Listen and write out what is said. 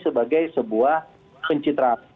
sebagai sebuah pencitra